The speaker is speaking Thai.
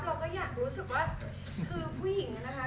เราก็อยากรู้สึกว่าคือผู้หญิงนะคะ